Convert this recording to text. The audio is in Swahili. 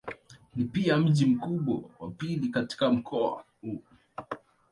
Ni pia mji mkubwa wa pili katika mkoa huu.